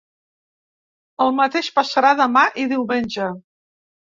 El mateix passarà demà i diumenge.